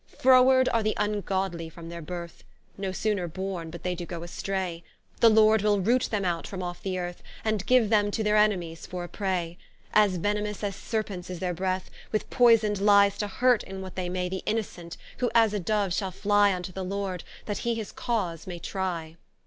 Froward are the vngodly from their berth, No sooner borne, but they doe goe astray; The Lord will roote them out from off the earth, And give them to their en'mies for a pray, As venemous as Serpents is their breath, With poysned lies to hurt in what they may The Innocent: who as a Dove shall flie Vnto the Lord, that he his cause may trie.